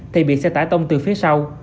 thì bị xe tải tông từ phía sau